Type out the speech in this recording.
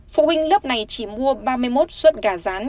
phụ huynh lớp này chỉ mua ba mươi một suất gà rán